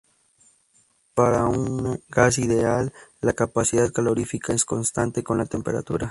Para un gas ideal la capacidad calorífica es constante con la temperatura.